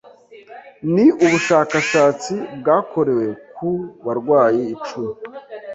Ni ubushakashatsi bwakorewe ku barwayi icumi